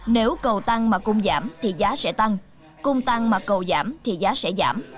nếu cầu tăng mà cung giảm thì giá sẽ tăng cung tăng mà cầu giảm thì giá sẽ giảm